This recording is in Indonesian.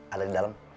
ada di dalam